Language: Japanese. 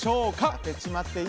当てちまっていい？